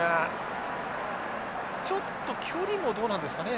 ちょっと距離もどうなんですかね？